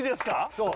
そう。